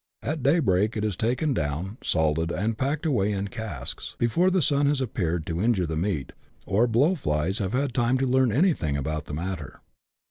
At daybreak it is taken down, salted, and packed away in casks, before the sun has appeared to injure the meat, or the blow flies have had time to learn anything about the matter.